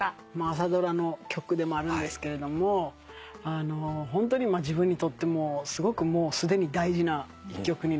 朝ドラの曲でもあるんですけれどもホントに自分にとってもすごくもうすでに大事な１曲になって。